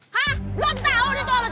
hah belum tau nih tuan mesir